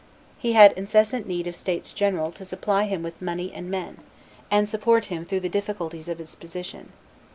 He had incessant need of states general to supply him with money and men, and support him through the difficulties of his position.